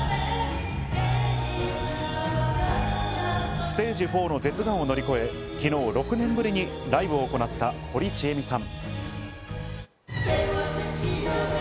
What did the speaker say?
ステージ４の舌がんを乗り越え、昨日６年ぶりにライブを行った堀ちえみさん。